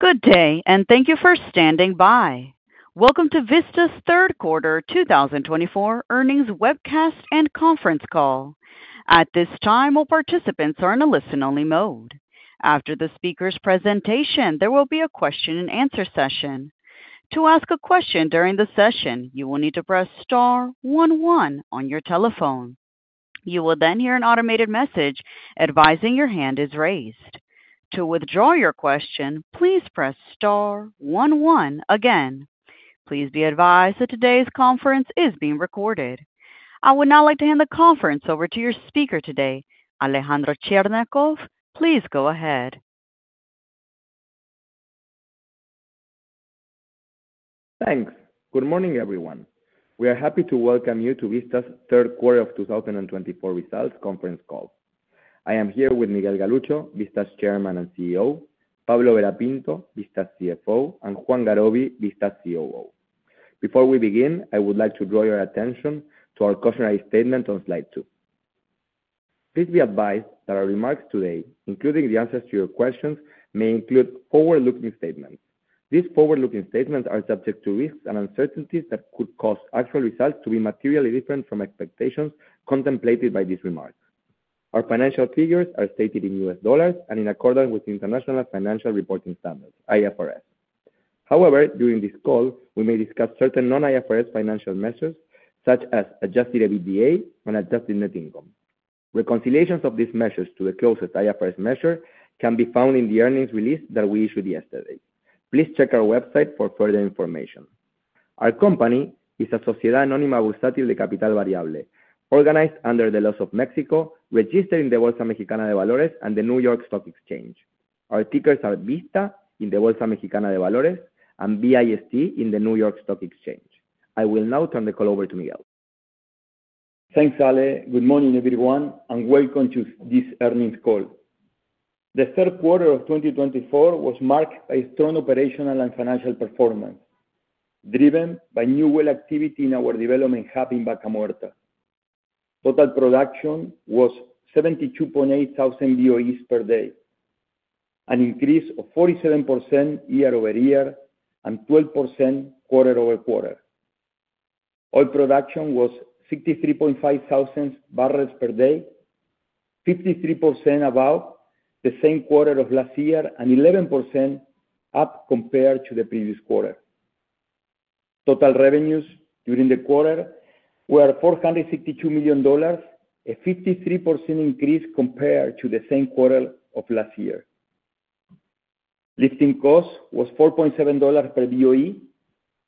Good day, and thank you for standing by. Welcome to Vista's third quarter two thousand and twenty-four earnings webcast and conference call. At this time, all participants are in a listen-only mode. After the speaker's presentation, there will be a question and answer session. To ask a question during the session, you will need to press star one one on your telephone. You will then hear an automated message advising your hand is raised. To withdraw your question, please press star one one again. Please be advised that today's conference is being recorded. I would now like to hand the conference over to your speaker today, Alejandro. Please go ahead. Thanks. Good morning, everyone. We are happy to welcome you to Vista's third quarter of two thousand and twenty-four results conference call. I am here with Miguel Galuccio, Vista's Chairman and CEO, Pablo Vera Pinto, Vista's CFO, and Juan Garoby, Vista's COO. Before we begin, I would like to draw your attention to our cautionary statement on slide two. Please be advised that our remarks today, including the answers to your questions, may include forward-looking statements. These forward-looking statements are subject to risks and uncertainties that could cause actual results to be materially different from expectations contemplated by these remarks. Our financial figures are stated in U.S. dollars and in accordance with International Financial Reporting Standards, IFRS. However, during this call, we may discuss certain non-IFRS financial measures, such as adjusted EBITDA and adjusted net income. Reconciliations of these measures to the closest IFRS measure can be found in the earnings release that we issued yesterday. Please check our website for further information. Our company is a Sociedad Anónima Bursátil de Capital Variable, organized under the laws of Mexico, registered in the Bolsa Mexicana de Valores and the New York Stock Exchange. Our tickers are VISTA in the Bolsa Mexicana de Valores and V-I-S-T in the New York Stock Exchange. I will now turn the call over to Miguel. Thanks, Ale. Good morning, everyone, and welcome to this earnings call. The third quarter of 2024 was marked by strong operational and financial performance, driven by new well activity in our development hub in Vaca Muerta. Total production was 72.8 thousand BOEs per day, an increase of 47% year over year and 12% quarter over quarter. Oil production was 63.5 thousand barrels per day, 53% above the same quarter of last year and 11% up compared to the previous quarter. Total revenues during the quarter were $462 million, a 53% increase compared to the same quarter of last year. Lifting cost was $4.7 per BOE,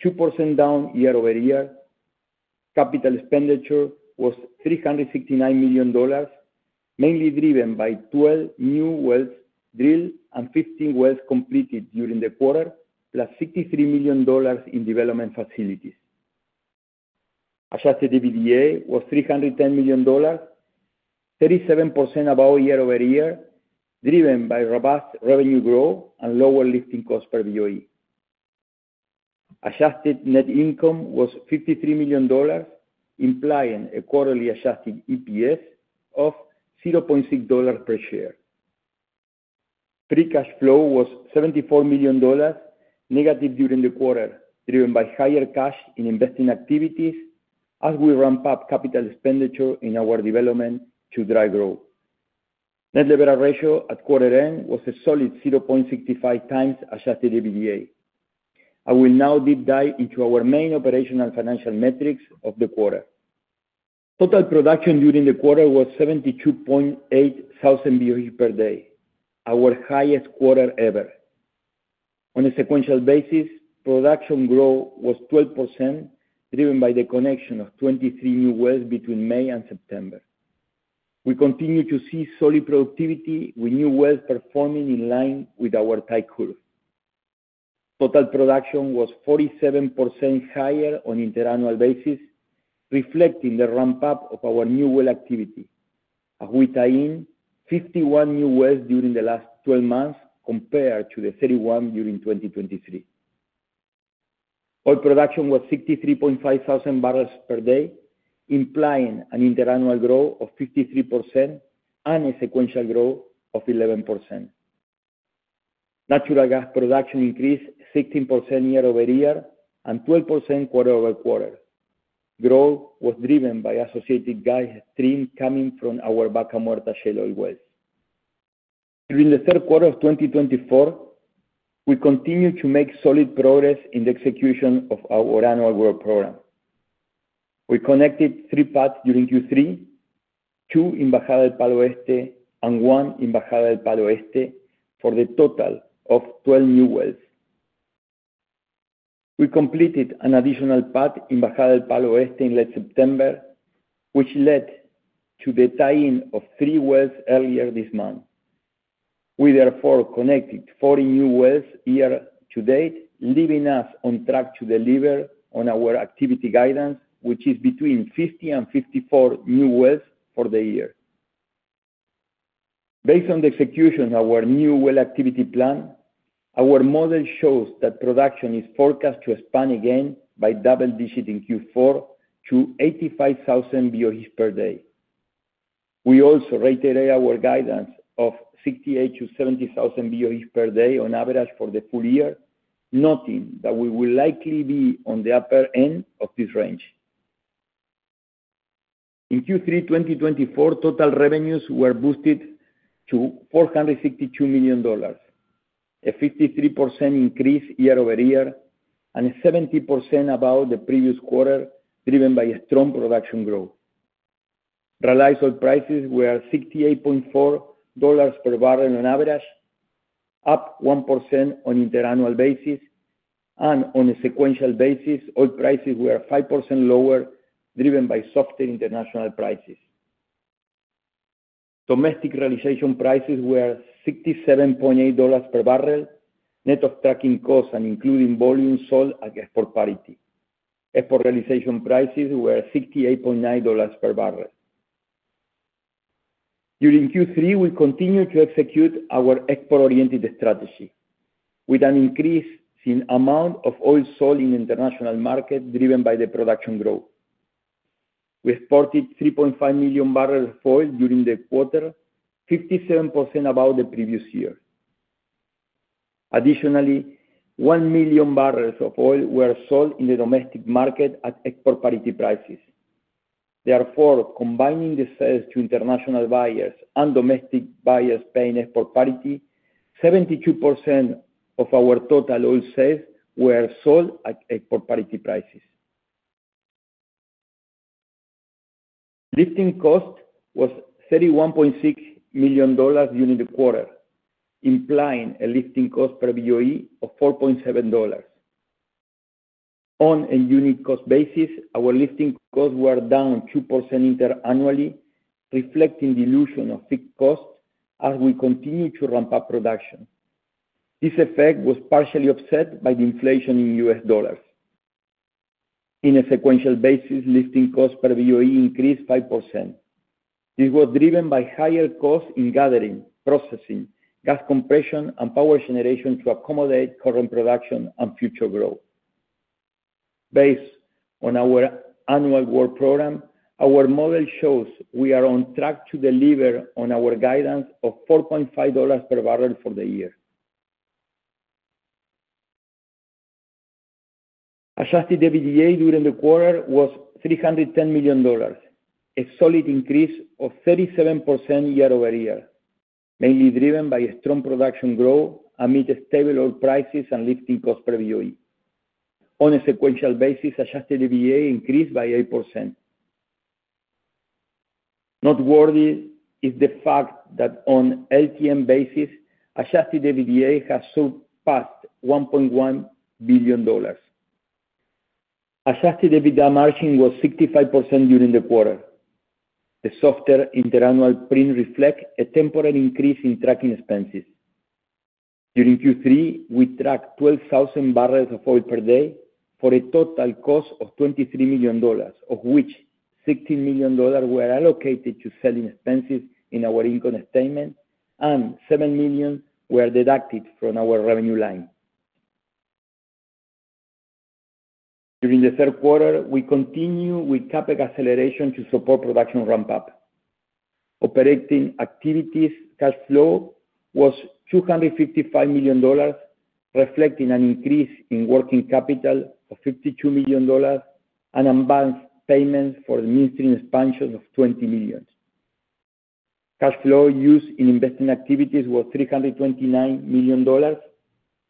2% down year over year. Capital expenditure was $369 million, mainly driven by 12 new wells drilled and 15 wells completed during the quarter, plus $63 million in development facilities. Adjusted EBITDA was $310 million, 37% above year over year, driven by robust revenue growth and lower lifting costs per BOE. Adjusted net income was $53 million, implying a quarterly adjusted EPS of $0.6 per share. Free cash flow was -$74 million during the quarter, driven by higher cash in investing activities as we ramp up capital expenditure in our development to drive growth. Net leverage ratio at quarter end was a solid 0.65 times adjusted EBITDA. I will now deep dive into our main operational and financial metrics of the quarter. Total production during the quarter was 72,800 BOE per day, our highest quarter ever. On a sequential basis, production growth was 12%, driven by the connection of 23 new wells between May and September. We continue to see solid productivity with new wells performing in line with our type curve. Total production was 47% higher on interannual basis, reflecting the ramp-up of our new well activity, as we tie in 51 new wells during the last twelve months compared to the 31 during 2023. Oil production was 63,500 barrels per day, implying an interannual growth of 53% and a sequential growth of 11%. Natural gas production increased 16% year over year and 12% quarter over quarter. Growth was driven by associated gas stream coming from our Vaca Muerta shale oil wells. During the third quarter of twenty twenty-four, we continued to make solid progress in the execution of our annual work program. We connected three pads during Q3, two in Bajada del Palo Oeste and one in Bajada del Palo Oeste, for the total of 12 new wells. We completed an additional pad in Bajada del Palo Oeste in late September, which led to the tie-in of three wells earlier this month. We therefore connected 40 new wells year to date, leaving us on track to deliver on our activity guidance, which is between 50 and 54 new wells for the year. Based on the execution of our new well activity plan, our model shows that production is forecast to expand again by double digits in Q4 to 85,000 BOEs per day. We also reiterated our guidance of 68-70,000 BOEs per day on average for the full year, noting that we will likely be on the upper end of this range. In Q3 2024, total revenues were boosted to $462 million, a 53% increase year over year, and 70% above the previous quarter, driven by a strong production growth. Realized oil prices were $68.4 per barrel on average, up 1% on inter-annual basis, and on a sequential basis, oil prices were 5% lower, driven by softer international prices. Domestic realization prices were $67.8 per barrel, net of trucking costs and including volume sold at export parity. Export realization prices were $68.9 per barrel. During Q3, we continued to execute our export-oriented strategy with an increase in amount of oil sold in international market, driven by the production growth. We exported 3.5 million barrels of oil during the quarter, 57% above the previous year. Additionally, one million barrels of oil were sold in the domestic market at export parity prices. Therefore, combining the sales to international buyers and domestic buyers paying export parity, 72% of our total oil sales were sold at export parity prices. Lifting cost was $31.6 million during the quarter, implying a lifting cost per BOE of $4.7. On a unit cost basis, our lifting costs were down 2% inter-annually, reflecting dilution of fixed costs as we continue to ramp up production. This effect was partially offset by the inflation in U.S. dollars. In a sequential basis, lifting costs per BOE increased 5%. This was driven by higher costs in gathering, processing, gas compression, and power generation to accommodate current production and future growth. Based on our annual work program, our model shows we are on track to deliver on our guidance of $4.5 per barrel for the year. Adjusted EBITDA during the quarter was $310 million, a solid increase of 37% year over year, mainly driven by a strong production growth amid stable oil prices and lifting cost per BOE. On a sequential basis, Adjusted EBITDA increased by 8%. Noteworthy is the fact that on LTM basis, Adjusted EBITDA has surpassed $1.1 billion. Adjusted EBITDA margin was 65% during the quarter. The softer inter-annual print reflect a temporary increase in trucking expenses. During Q3, we trucked 12,000 barrels of oil per day for a total cost of $23 million, of which $16 million were allocated to selling expenses in our income statement and $7 million were deducted from our revenue line. During the third quarter, we continued with CapEx acceleration to support production ramp-up. Operating activities cash flow was $255 million, reflecting an increase in working capital of $52 million and advanced payments for the midstream expansion of $20 million. Cash flow used in investing activities was $329 million,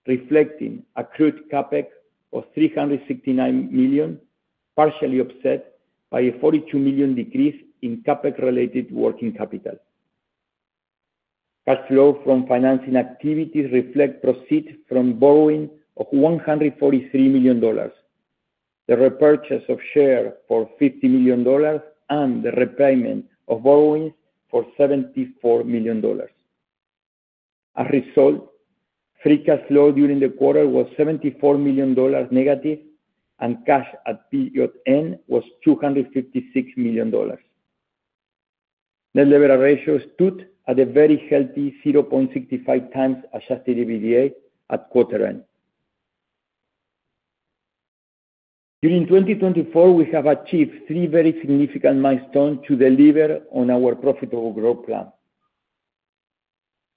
reflecting accrued CapEx of $369 million, partially offset by a $42 million decrease in CapEx-related working capital. Cash flow from financing activities reflect proceeds from borrowing of $143 million, the repurchase of shares for $50 million, and the repayment of borrowings for $74 million. As a result, free cash flow during the quarter was negative $74 million, and cash at period end was $256 million. Net leverage ratio stood at a very healthy 0.65 times Adjusted EBITDA at quarter end. During 2024, we have achieved three very significant milestones to deliver on our profitable growth plan.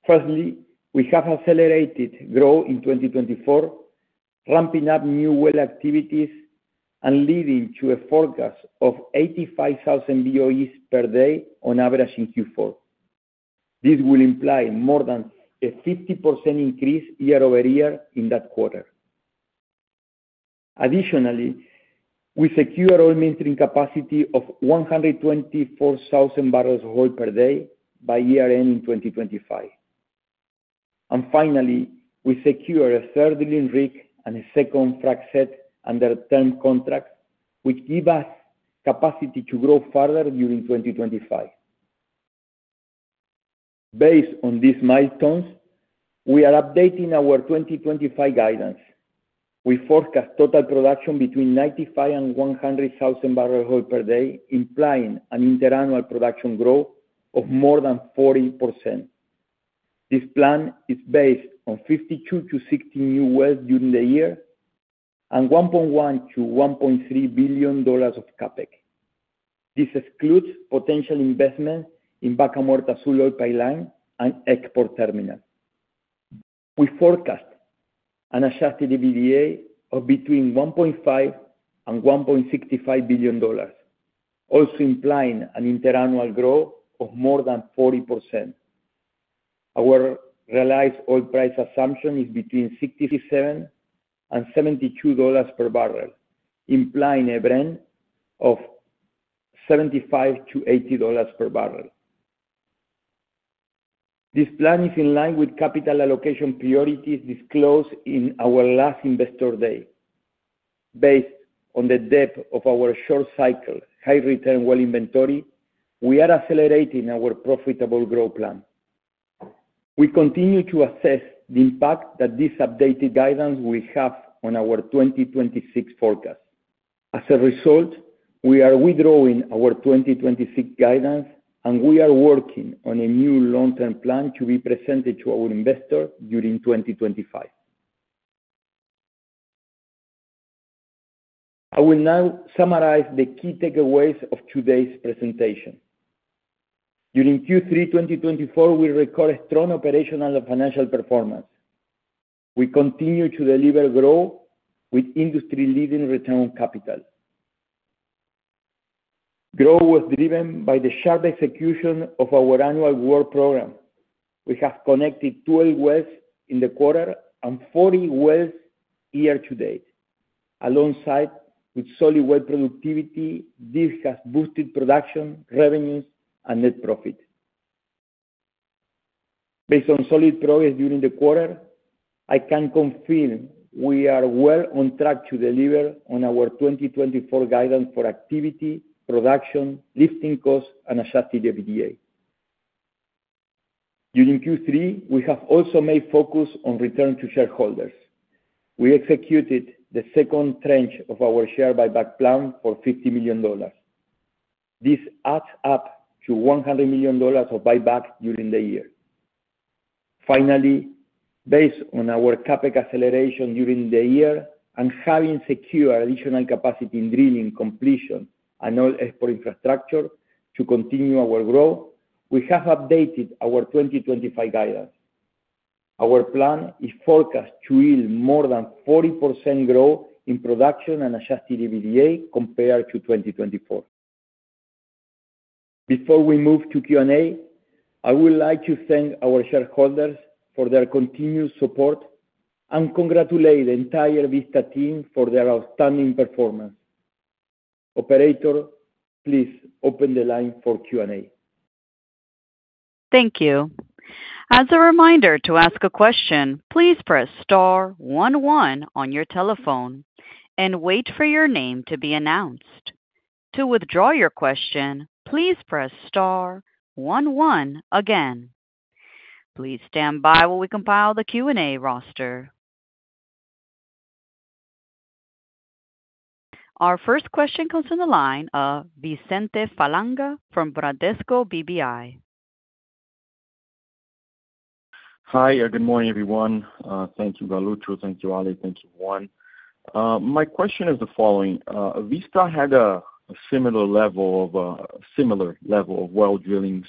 Firstly, we have accelerated growth in 2024, ramping up new well activities and leading to a forecast of 85,000 BOE per day on average in Q4. This will imply more than a 50% increase year over year in that quarter. Additionally, we secure our midstream capacity of 124,000 barrels of oil per day by year-end in 2025. And finally, we secure a third drilling rig and a second frac set under a term contract, which give us capacity to grow further during 2025. Based on these milestones, we are updating our 2025 guidance. We forecast total production between 95,000 and 100,000 barrels of oil per day, implying an inter-annual production growth of more than 40%. This plan is based on 52-60 new wells during the year, and $1.1-$1.3 billion of CapEx. This excludes potential investment in Vaca Muerta Sur oil pipeline and export terminal. We forecast an Adjusted EBITDA of between $1.5 and $1.65 billion, also implying an interannual growth of more than 40%. Our realized oil price assumption is between $67 and $72 per barrel, implying a Brent of $75-$80 per barrel. This plan is in line with capital allocation priorities disclosed in our last investor day. Based on the depth of our short cycle, high return well inventory, we are accelerating our profitable growth plan. We continue to assess the impact that this updated guidance will have on our 2026 forecast. As a result, we are withdrawing our 2026 guidance, and we are working on a new long-term plan to be presented to our investor during 2025. I will now summarize the key takeaways of today's presentation. During Q3 2024, we recorded strong operational and financial performance. We continue to deliver growth with industry-leading return on capital. Growth was driven by the sharp execution of our annual work program. We have connected 12 wells in the quarter and 40 wells year to date. Alongside with solid well productivity, this has boosted production, revenues and net profit. Based on solid progress during the quarter, I can confirm we are well on track to deliver on our 2024 guidance for activity, production, lifting costs, and adjusted EBITDA. During Q3, we have also made focus on return to shareholders. We executed the second tranche of our share buyback plan for $50 million. This adds up to $100 million of buyback during the year. Finally, based on our CapEx acceleration during the year and having secured additional capacity in drilling, completion, and oil export infrastructure to continue our growth, we have updated our 2025 guidance. Our plan is forecast to yield more than 40% growth in production and adjusted EBITDA compared to 2024. Before we move to Q&A, I would like to thank our shareholders for their continued support and congratulate the entire Vista team for their outstanding performance. Operator, please open the line for Q&A. Thank you. As a reminder, to ask a question, please press star one one on your telephone and wait for your name to be announced. To withdraw your question, please press star one one again. Please stand by while we compile the Q&A roster. Our first question comes from the line of Vicente Falanga from Bradesco BBI. Hi, good morning, everyone. Thank you, Venutro. Thank you, Ali. Thank you, Juan. My question is the following: Vista had a similar level of well drillings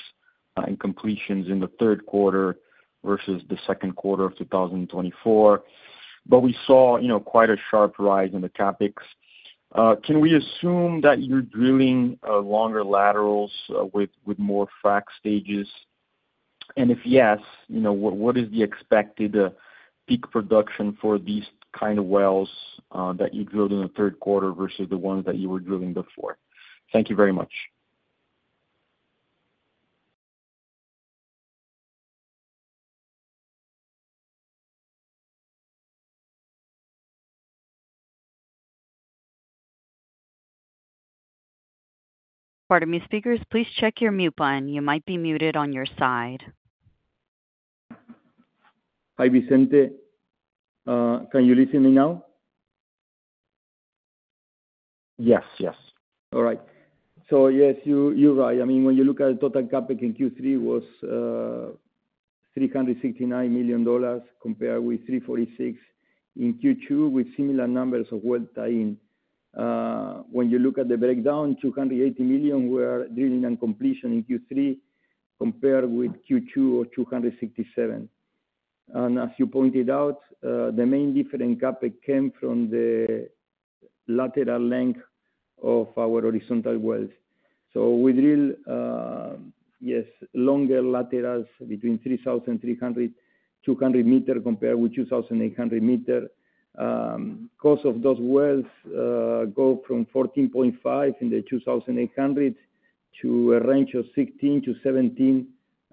and completions in the third quarter versus the second quarter of two thousand and twenty-four, but we saw, you know, quite a sharp rise in the CapEx. Can we assume that you're drilling longer laterals with more frack stages? And if yes, you know, what is the expected peak production for these kind of wells that you drilled in the third quarter versus the ones that you were drilling before? Thank you very much. Pardon me, speakers, please check your mute button. You might be muted on your side. Hi, Vicente. Can you listen me now? Yes. Yes. All right. So, yes, you, you're right. I mean, when you look at the total CapEx in Q3 was $369 million, compared with $346 million in Q2, with similar numbers of well tie-in. When you look at the breakdown, $280 million were drilling and completion in Q3, compared with Q2 or $267 million. And as you pointed out, the main difference in CapEx came from the lateral length of our horizontal wells. So we drill, yes, longer laterals between 3,300 and 3,200 meters, compared with 2,800 meters. Cost of those wells go from 14.5 in the 2,800 to a range of 16-17,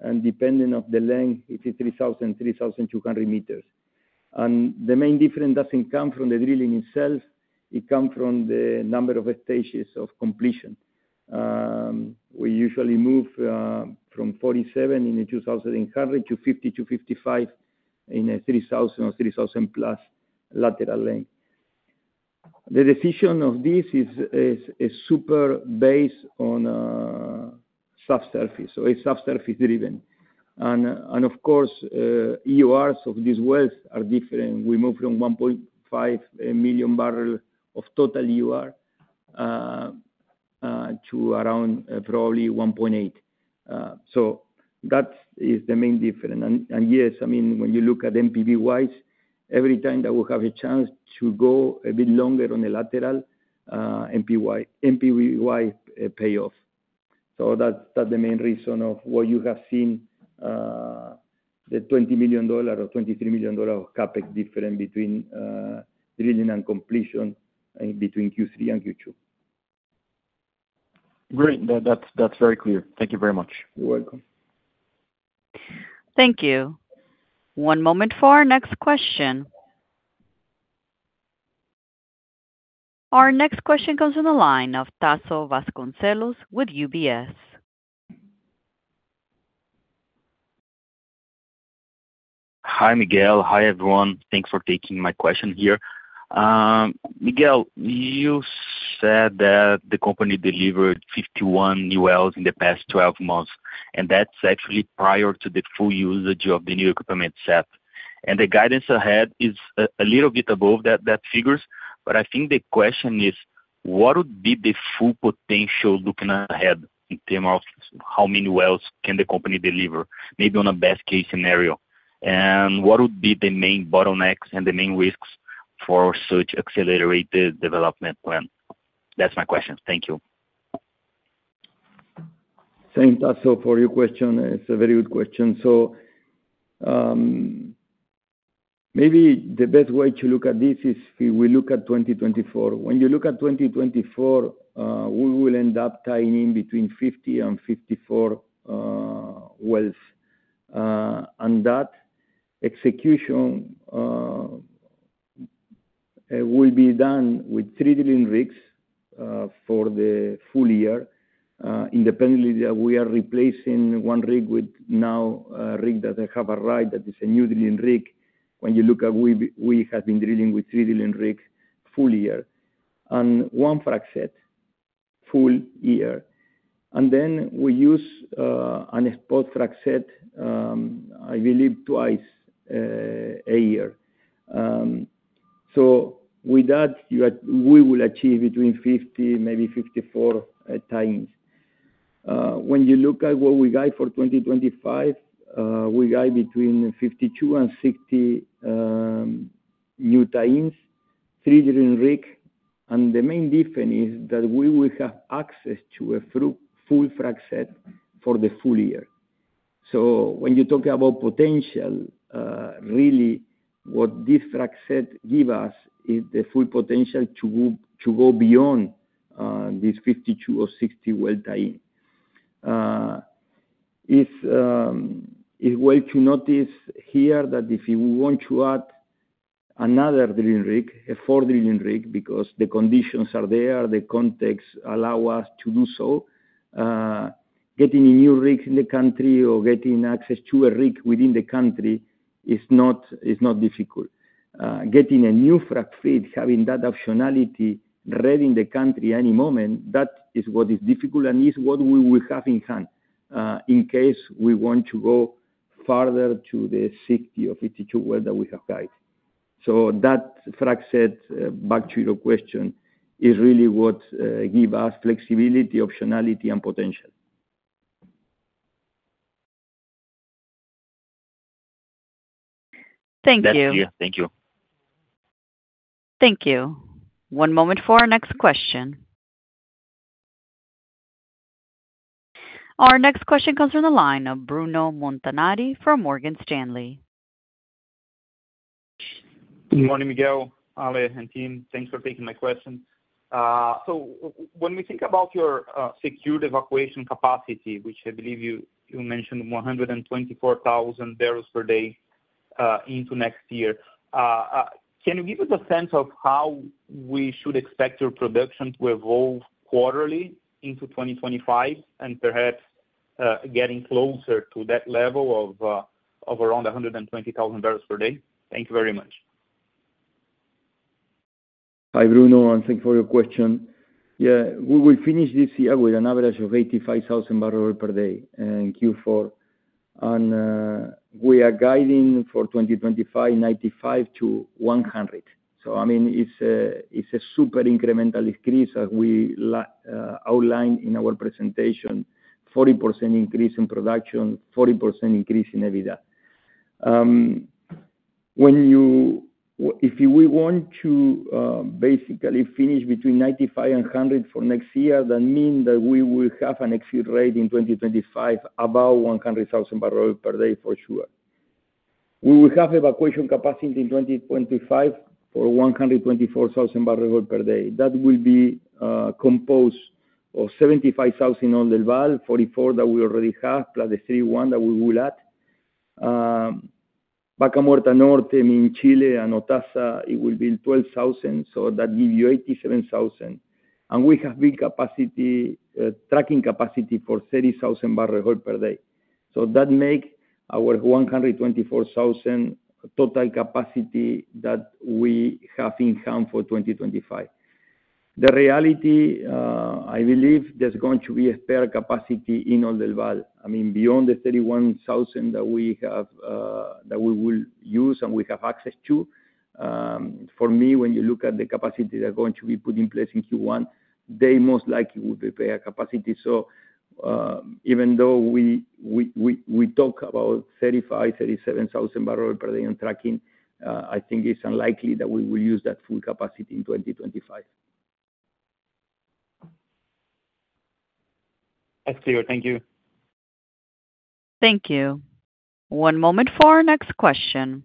and depending on the length, it is 3,000-3,200 meters. The main difference doesn't come from the drilling itself, it comes from the number of stages of completion. We usually move from 47 in the 2,800 to 50-55 in a 3,000 or 3,000+ lateral length. The decision of this is super based on subsurface, so it's subsurface driven. And of course, EURs of these wells are different. We moved from 1.5 million barrels of total EUR to around probably 1.8. So that is the main difference. And yes, I mean, when you look at NPV-wise, every time that we have a chance to go a bit longer on the lateral, NPV payoff. So that's, that's the main reason of what you have seen, the $20 million or $23 million CapEx difference between drilling and completion and between Q3 and Q2. Great. That's very clear. Thank you very much. You're welcome. Thank you. One moment for our next question. Our next question comes on the line of Taso Vasconcelos with UBS. Hi, Miguel. Hi, everyone. Thanks for taking my question here. Miguel, you said that the company delivered 51 new wells in the past 12 months, and that's actually prior to the full usage of the new equipment set. And the guidance ahead is a little bit above that figures, but I think the question is: What would be the full potential looking ahead in terms of how many wells can the company deliver, maybe on a best case scenario? And what would be the main bottlenecks and the main risks for such accelerated development plan? That's my question. Thank you. Thanks, Taso, for your question. It's a very good question. So, maybe the best way to look at this is if we look at 2024. When you look at 2024, we will end up tying in between 50 and 54 wells. And that execution will be done with three drilling rigs for the full year, independently, we are replacing one rig with now a rig that has arrived that is a new drilling rig. When you look at we, we have been drilling with three drilling rig full year, and one frac set full year. And then we use a spot frac set, I believe twice a year. So with that, we will achieve between 50, maybe 54, tie-ins. When you look at what we guide for twenty twenty-five, we guide between 52 and 60 new tie-ins, 3 drilling rig, and the main difference is that we will have access to a full frac set for the full year. So when you talk about potential, really what this frac set give us is the full potential to go beyond this 52 or 60 well tie-in. If we notice here that if you want to add another drilling rig, a fourth drilling rig, because the conditions are there, the context allow us to do so, getting a new rig in the country or getting access to a rig within the country is not difficult. Getting a new frac fleet, having that optionality ready in the country any moment, that is what is difficult and is what we will have in hand, in case we want to go farther to the 60 or 52 wells that we have guided. So that frac set, back to your question, is really what gives us flexibility, optionality, and potential. Thank you. That's clear. Thank you. Thank you. One moment for our next question. Our next question comes from the line of Bruno Montanari from Morgan Stanley. Good morning, Miguel, Ale, and team. Thanks for taking my question. So when we think about your secured evacuation capacity, which I believe you mentioned 124,000 barrels per day into next year, can you give us a sense of how we should expect your production to evolve quarterly into 2025, and perhaps getting closer to that level of around 120,000 barrels per day? Thank you very much. Hi, Bruno, and thank you for your question. Yeah, we will finish this year with an average of 85,000 barrels per day in Q4, and we are guiding for 2025, 95-100. So I mean, it's a super incremental increase, as we outlined in our presentation, 40% increase in production, 40% increase in EBITDA. When you if we want to basically finish between 95 and 100 for next year, that mean that we will have an execute rate in 2025, about 100,000 barrels per day for sure. We will have evacuation capacity in 2025 for 124,000 barrels per day. That will be composed of 75,000 on Oldelval, 44 that we already have, plus the 31 that we will add. Vaca Muerta Norte in Chile and Otasa, it will be 12,000, so that give you 87,000. And we have big capacity, trucking capacity for 30,000 barrel per day. So that make our 124,000 total capacity that we have in hand for 2025. The reality, I believe there's going to be a spare capacity in Oldelval. I mean, beyond the 31,000 that we have, that we will use and we have access to, for me, when you look at the capacity that are going to be put in place in Q1, they most likely will be spare capacity. So, even though we talk about 35,000-37,000 barrel per day in trucking, I think it's unlikely that we will use that full capacity in 2025. That's clear. Thank you. Thank you. One moment for our next question.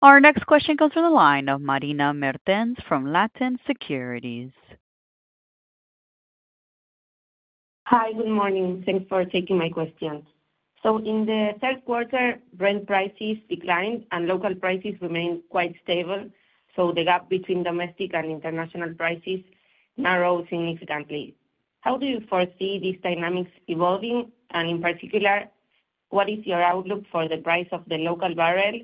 Our next question comes from the line of Marina Mertens from Latin Securities. Hi, good morning. Thanks for taking my questions. So in the third quarter, Brent prices declined and local prices remained quite stable, so the gap between domestic and international prices narrowed significantly. How do you foresee these dynamics evolving? And in particular, what is your outlook for the price of the local barrel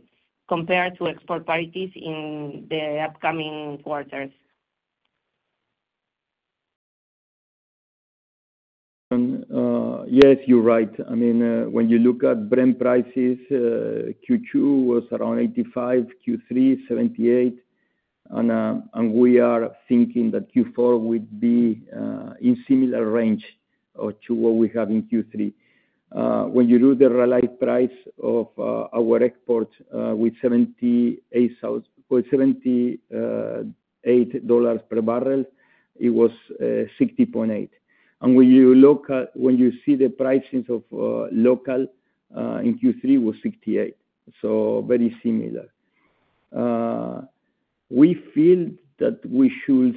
compared to export parities in the upcoming quarters? Yes, you're right. I mean, when you look at Brent prices, Q2 was around $85, Q3, $78, and we are thinking that Q4 would be in similar range to what we have in Q3. When you do the realized price of our export with $78 per barrel, it was $60.8. And when you see the prices of local in Q3 was $68, so very similar. We feel that we should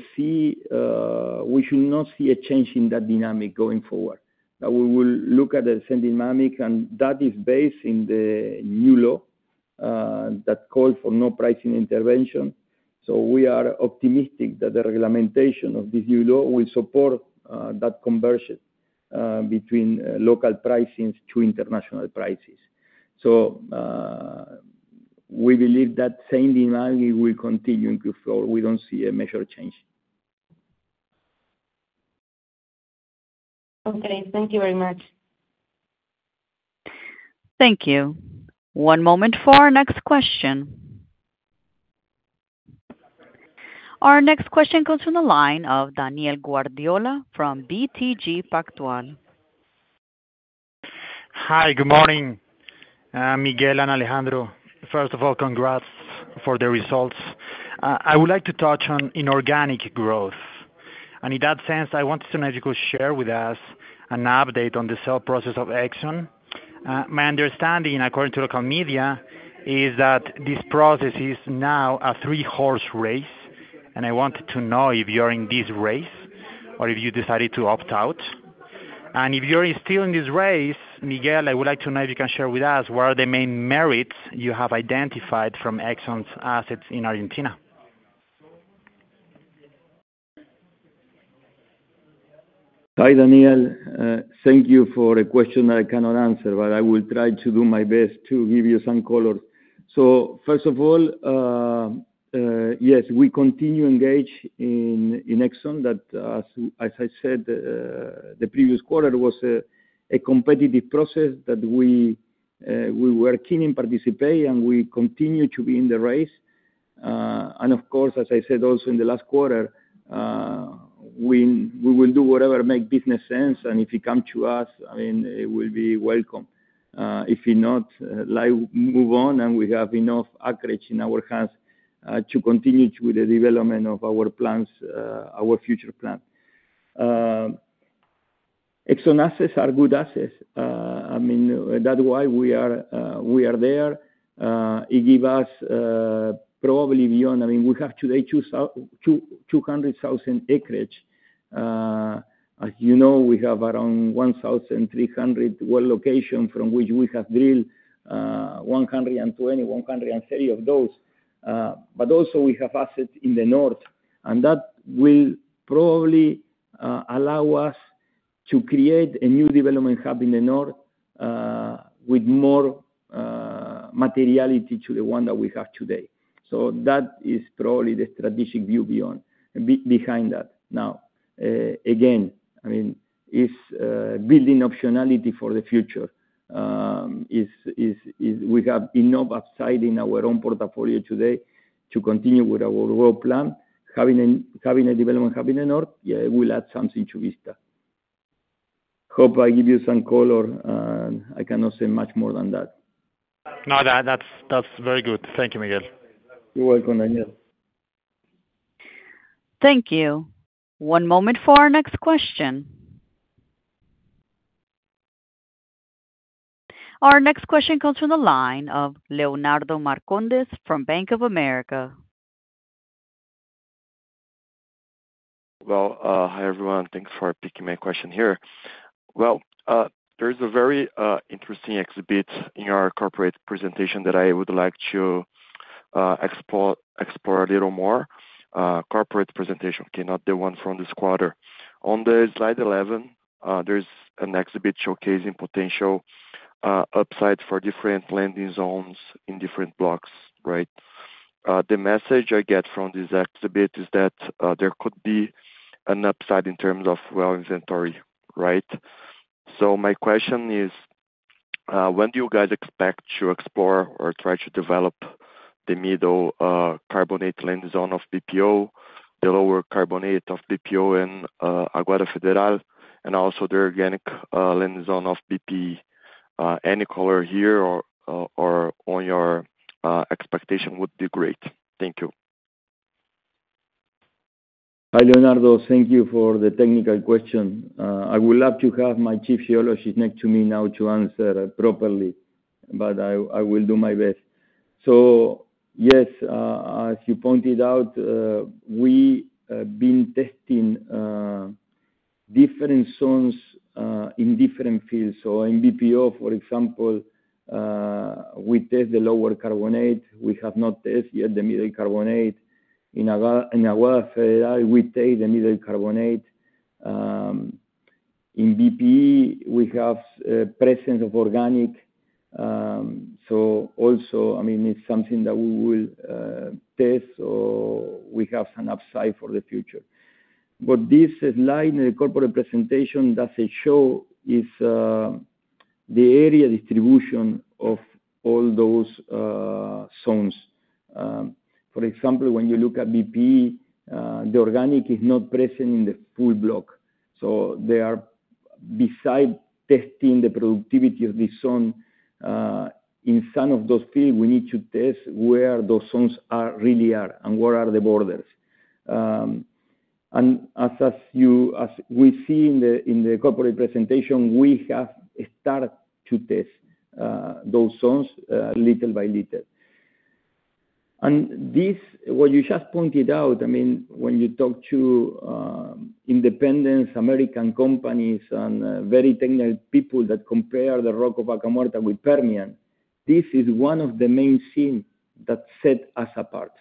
not see a change in that dynamic going forward. Now, we will look at the same dynamic, and that is based in the new law that calls for no pricing intervention. So we are optimistic that the regulation of this new law will support that conversion between local pricings to international prices. So we believe that same dynamic will continue in Q4. We don't see a major change. Okay. Thank you very much. Thank you. One moment for our next question. Our next question comes from the line of Daniel Guardiola from BTG Pactual. Hi, good morning, Miguel and Alejandro. First of all, congrats for the results. I would like to touch on inorganic growth, and in that sense, I want to know if you could share with us an update on the sale process of Exxon. My understanding, according to local media, is that this process is now a three-horse race, and I wanted to know if you're in this race or if you decided to opt out, and if you're still in this race, Miguel, I would like to know if you can share with us what are the main merits you have identified from Exxon's assets in Argentina? Hi, Daniel. Thank you for a question I cannot answer, but I will try to do my best to give you some color. So first of all, yes, we continue engaged in ExxonMobil. That, as I said, the previous quarter was a competitive process that we were keen in participate, and we continue to be in the race. Of course, as I said, also in the last quarter, we will do whatever make business sense. If it come to us, I mean, it will be welcome. If not, life move on, and we have enough acreage in our hands to continue with the development of our plans, our future plan. ExxonMobil assets are good assets. I mean, that why we are, we are there. It give us probably beyond. I mean, we have today 200,000 acreage. As you know, we have around 1,300 well location from which we have drilled 120, 130 of those. But also we have assets in the north, and that will probably allow us to create a new development hub in the north with more materiality to the one that we have today. So that is probably the strategic view beyond behind that. Now, again, I mean, if building optionality for the future is we have enough upside in our own portfolio today to continue with our overall plan. Having a development hub in the north, yeah, it will add something to Vista. hope I give you some color, and I cannot say much more than that. No, that's very good. Thank you, Miguel. You're welcome, Daniel. Thank you. One moment for our next question. Our next question comes from the line of Leonardo Marcondes from Bank of America. Hi, everyone. Thanks for taking my question here. There's a very interesting exhibit in our corporate presentation that I would like to explore a little more. Corporate presentation, okay, not the one from this quarter. On the slide 11, there's an exhibit showcasing potential upside for different landing zones in different blocks, right? The message I get from this exhibit is that there could be an upside in terms of well inventory, right? My question is, when do you guys expect to explore or try to develop the middle carbonate landing zone of BPO, the lower carbonate of BPO and Agua Federal, and also the organic landing zone of BP. Any color here or on your expectation would be great. Thank you. Hi, Leonardo. Thank you for the technical question. I would love to have my chief geologist next to me now to answer properly, but I will do my best. So yes, as you pointed out, we been testing different zones in different fields. So in BPO, for example, we test the lower carbonate. We have not tested yet the middle carbonate. In Agua Federal, we test the middle carbonate. In BPE, we have presence of organic. So also, I mean, it's something that we will test, so we have some upside for the future. But this slide in the corporate presentation, does it show the area distribution of all those zones? For example, when you look at BPE, the organic is not present in the full block, so they are besides testing the productivity of this zone. In some of those fields, we need to test where those zones really are, and where are the borders. As we see in the corporate presentation, we have started to test those zones little by little. This, what you just pointed out, I mean, when you talk to independent American companies and very technical people that compare the rock of Vaca Muerta with Permian, this is one of the main things that set us apart.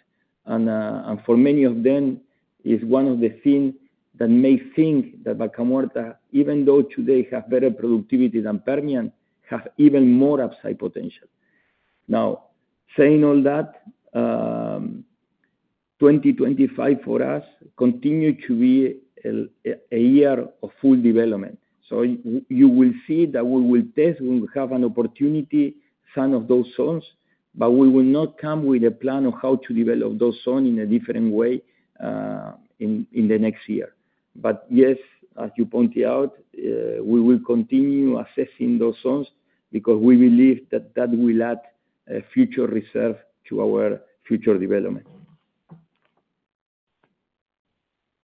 For many of them, is one of the things that may think that Vaca Muerta, even though today have better productivity than Permian, have even more upside potential. Now, saying all that, twenty twenty-five for us continue to be a year of full development. So you will see that we will test, when we have an opportunity, some of those zones, but we will not come with a plan of how to develop those zone in a different way, in the next year. But yes, as you pointed out, we will continue assessing those zones because we believe that that will add a future reserve to our future development.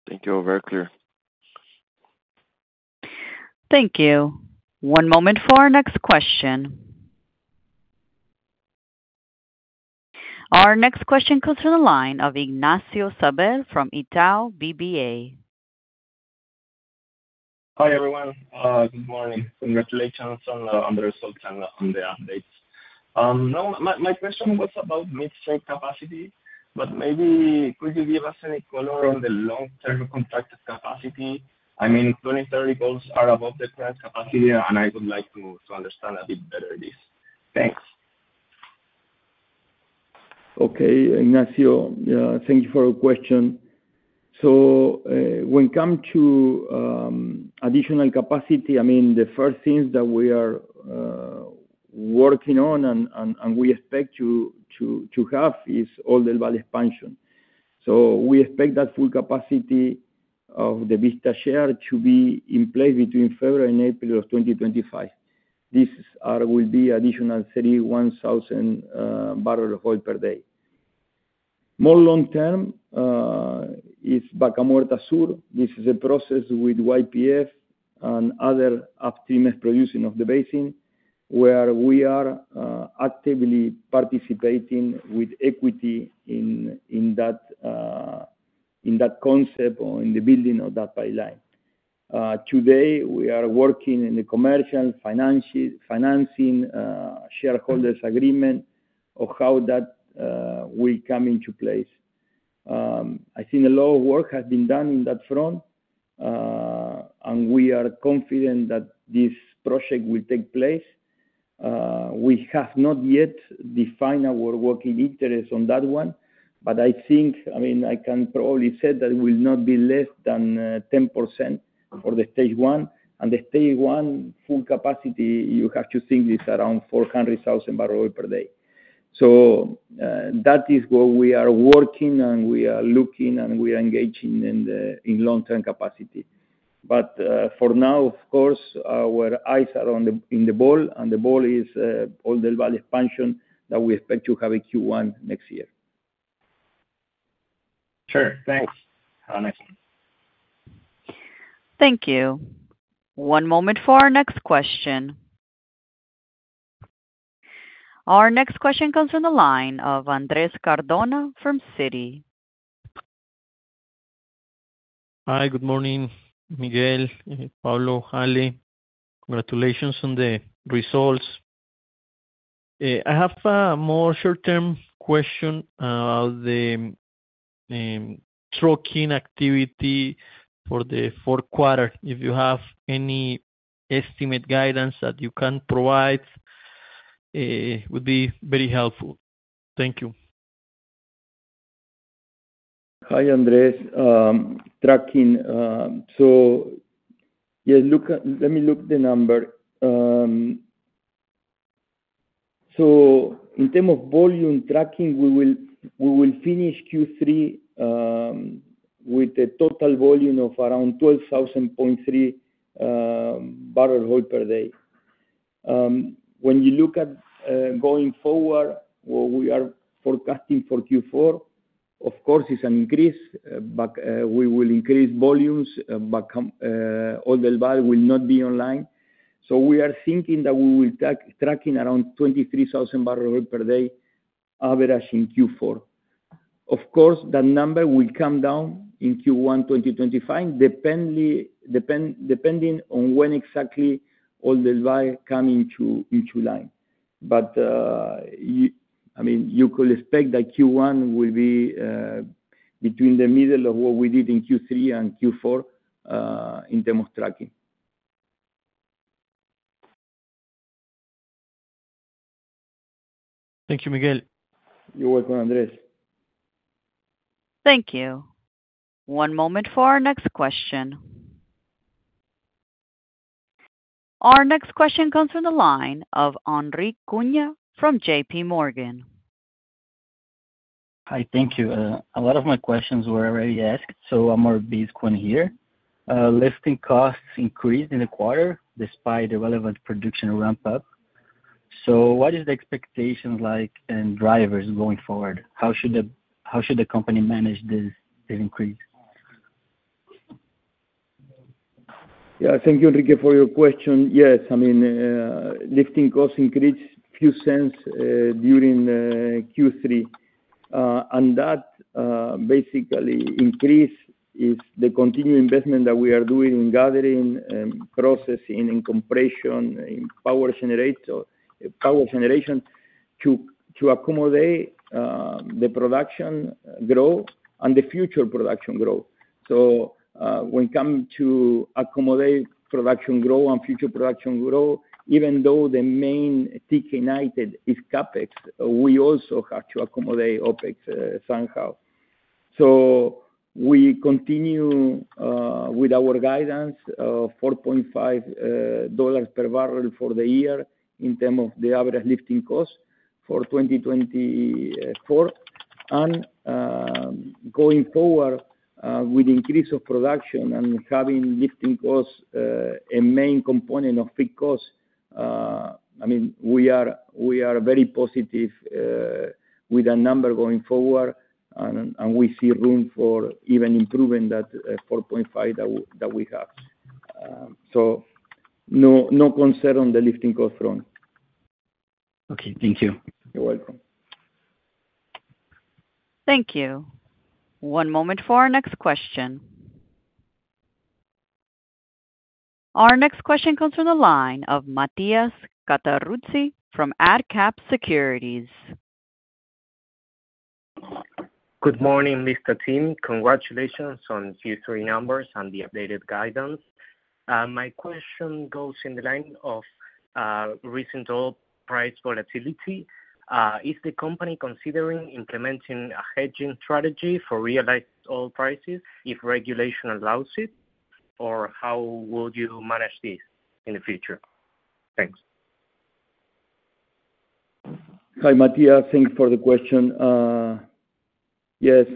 Thank you. Very clear. Thank you. One moment for our next question. Our next question comes from the line of Ignacio Zabaleta from Itau BBA. Hi, everyone. Good morning. Congratulations on the results and on the updates. Now, my question was about midstream capacity, but maybe could you give us any color on the long-term contracted capacity? I mean, 2030 goals are above the current capacity, and I would like to understand a bit better this. Thanks. Okay, Ignacio, thank you for your question. So, when it come to additional capacity, I mean, the first things that we are working on and we expect to have is all the Oldelval expansion. So we expect that full capacity of the Vista share to be in place between February and April of twenty twenty-five. These are, will be additional 31,000 barrels of oil per day. More long term, is Vaca Muerta Sur. This is a process with YPF and other upstream producers of the basin, where we are actively participating with equity in that concept or in the building of that pipeline. Today, we are working in the commercial, financial, financing shareholders agreement of how that will come into place. I think a lot of work has been done in that front, and we are confident that this project will take place. We have not yet defined our working interest on that one, but I think, I mean, I can probably say that it will not be less than 10% for the stage one. And the stage one full capacity, you have to think it's around 400,000 barrel per day. So, that is what we are working, and we are looking, and we are engaging in the, in long-term capacity. But, for now, of course, our eyes are on the, in the ball, and the ball is, all the value expansion that we expect to have in Q1 next year. Sure. Thanks. Have a nice one. Thank you. One moment for our next question. Our next question comes from the line of Andres Cardona from Citi.... Hi, good morning, Miguel, Pablo, Alejandro. Congratulations on the results. I have a more short-term question. The trucking activity for the fourth quarter, if you have any estimate guidance that you can provide, would be very helpful. Thank you. Hi, Andres. Trucking, so yeah, look at, let me look at the number. So in terms of volume trucking, we will finish Q3 with a total volume of around 12,000.3 barrels of oil per day. When you look at going forward, what we are forecasting for Q4, of course, is an increase, but we will increase volumes, but all the volume will not be online. So we are thinking that we will be trucking around 23,000 barrels of oil per day, average in Q4. Of course, that number will come down in Q1 2025, depending on when exactly all the volume comes online. But, I mean, you could expect that Q1 will be between the middle of what we did in Q3 and Q4, in terms of trucking. Thank you, Miguel. You're welcome, Andres. Thank you. One moment for our next question. Our next question comes from the line of Henrique Cunha from JPMorgan. Hi, thank you. A lot of my questions were already asked, so a more basic one here. Lifting costs increased in the quarter despite the relevant production ramp-up. So what is the expectations like and drivers going forward? How should the, how should the company manage this, the increase? Yeah. Thank you, Henri, for your question. Yes, I mean, lifting costs increased a few cents during Q3. And that basically increase is the continued investment that we are doing in gathering, processing, in compression, in power generator, power generation, to accommodate the production growth and the future production growth. So, when it comes to accommodate production growth and future production growth, even though the main thing you need is CapEx, we also have to accommodate OpEx somehow. So we continue with our guidance of $4.5 per barrel for the year in terms of the average lifting cost for 2024. Going forward, with increase of production and having lifting costs a main component of free costs, I mean, we are very positive with the number going forward and we see room for even improving that 4.5 that we have. So no concern on the lifting cost front. Okay. Thank you. You're welcome. Thank you. One moment for our next question. Our next question comes from the line of Matias Cataruzzi from AdCap Securities. Good morning, Vista team. Congratulations on Q3 numbers and the updated guidance. My question goes in the line of recent oil price volatility. Is the company considering implementing a hedging strategy for realized oil prices if regulation allows it? Or how would you manage this in the future? Thanks. Hi, Matias. Thanks for the question. Yes,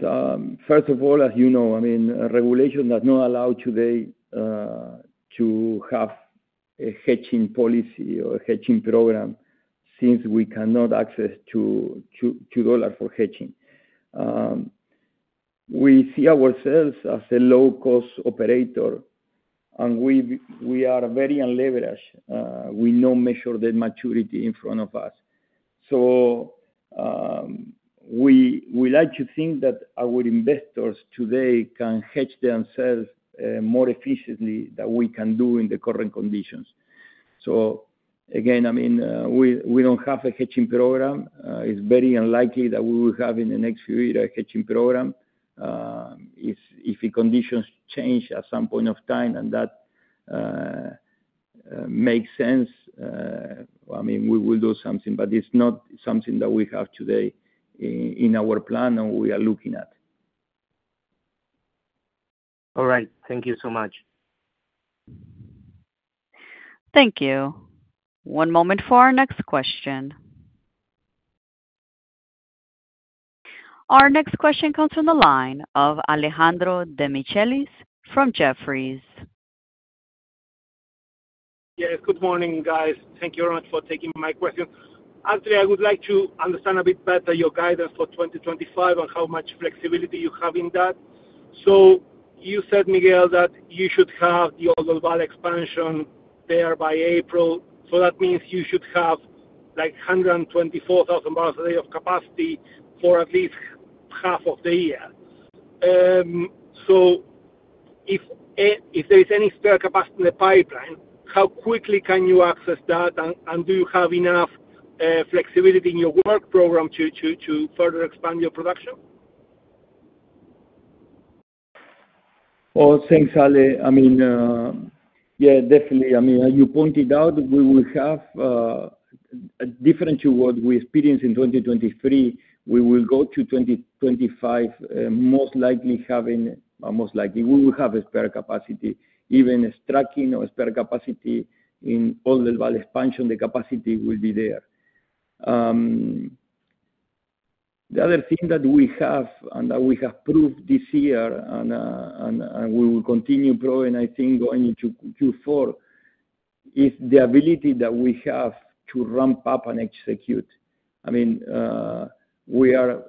first of all, as you know, I mean, regulation does not allow today to have a hedging policy or hedging program since we cannot access to dollar for hedging. We see ourselves as a low-cost operator, and we are very unleveraged. We don't measure the maturity in front of us. So, we like to think that our investors today can hedge themselves more efficiently than we can do in the current conditions. So again, I mean, we don't have a hedging program. It's very unlikely that we will have in the next few years a hedging program. If the conditions change at some point of time, and that makes sense, well, I mean, we will do something, but it's not something that we have today in our plan, and we are looking at. All right. Thank you so much. Thank you. One moment for our next question. Our next question comes from the line of Alejandro Demichelis from Jefferies. Yes, good morning, guys. Thank you very much for taking my question. Actually, I would like to understand a bit better your guidance for twenty twenty-five and how much flexibility you have in that. So you said, Miguel, that you should have your global expansion there by April, so that means you should have-... like hundred and twenty-four thousand barrels a day of capacity for at least half of the year. So if, if there is any spare capacity in the pipeline, how quickly can you access that? And do you have enough flexibility in your work program to further expand your production? Thanks, Ale. I mean, yeah, definitely. I mean, as you pointed out, we will have different to what we experienced in 2023. We will go to 2025, most likely having, or most likely, we will have a spare capacity. Even striking or spare capacity in all the well expansion, the capacity will be there. The other thing that we have and that we have proved this year and we will continue growing, I think, going into Q4, is the ability that we have to ramp up and execute. I mean, we are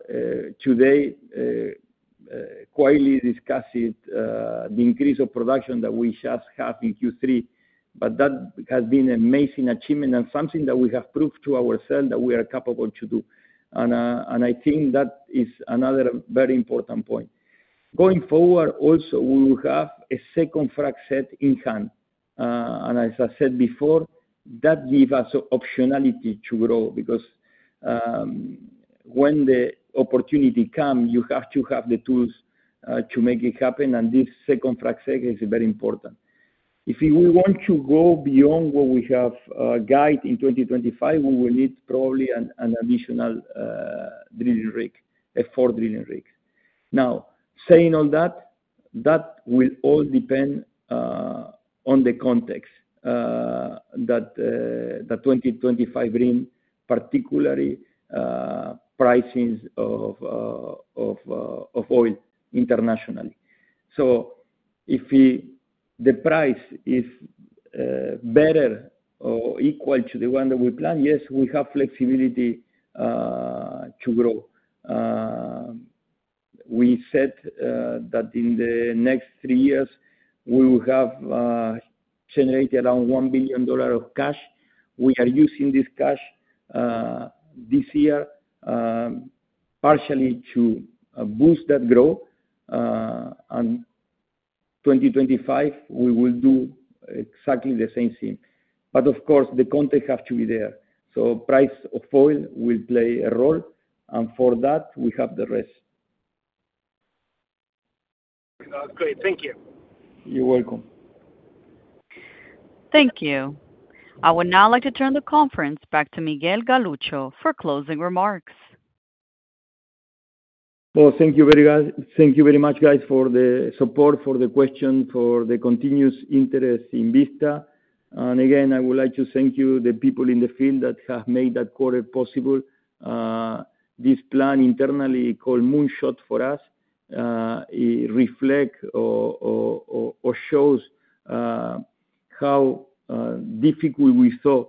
today quietly discussing the increase of production that we just have in Q3, but that has been amazing achievement and something that we have proved to ourselves that we are capable to do. I think that is another very important point. Going forward, also, we will have a second frac set in hand, and as I said before, that give us optionality to grow, because when the opportunity come, you have to have the tools to make it happen, and this second frac set is very important. If we want to go beyond what we have guide in 2025, we will need probably an additional drilling rig, a four drilling rig. Now, saying all that, that will all depend on the context that 2025 bring, particularly pricings of oil internationally, so if the price is better or equal to the one that we plan, yes, we have flexibility to grow. We said that in the next three years, we will have generated around $1 billion of cash. We are using this cash this year partially to boost that growth, and 2025, we will do exactly the same thing. But of course, the context have to be there. So price of oil will play a role, and for that, we have the rest. Great. Thank you. You're welcome. Thank you. I would now like to turn the conference back to Miguel Galuccio for closing remarks. Thank you very much, guys, for the support, for the question, for the continuous interest in Vista. Again, I would like to thank you, the people in the field, that have made that quarter possible. This plan internally called Moonshot for us, it reflect or shows how difficult we saw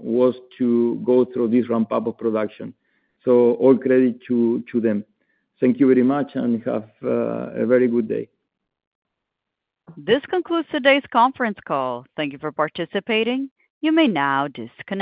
was to go through this ramp-up of production. So all credit to them. Thank you very much, and have a very good day. This concludes today's conference call. Thank you for participating. You may now disconnect.